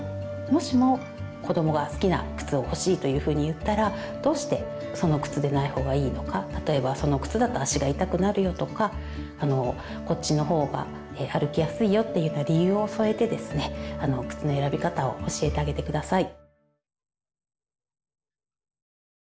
もしも子どもが好きな靴を欲しいというふうに言ったらどうしてその靴でない方がいいのか例えばその靴だと足が痛くなるよとかこっちの方が歩きやすいよっていうような理由を添えてですね靴の選び方を教えてあげて下さい。